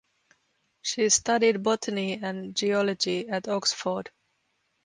She studied botany and geology at Oxford.